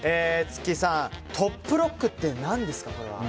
Ｔｓｕｋｋｉさんトップロックって何ですか？